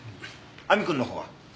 亜美くんのほうは？